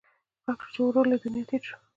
غږ شو چې ورور له دنیا تېر شو.